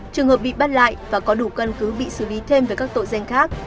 trường hợp bị bắt lại và có đủ cân cứ bị xử lý thêm với các tội gian khác